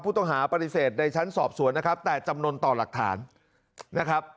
ผู้ต้องหาปฏิเสธในชั้นสอบสวนนะครับแต่จำนวนต่อหลักฐานนะครับ